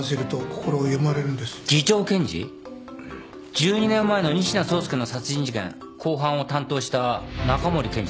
１２年前の仁科壮介の殺人事件公判を担当した中森検事ですね。